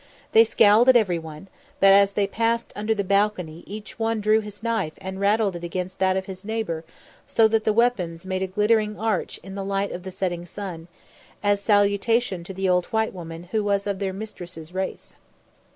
They scowled at everyone, but as they passed under the balcony each one drew his knife and rattled it against that of his neighbour so that the weapons made a glittering arch in the light of the setting sun, as salutation to the old white woman who was of their mistress's race.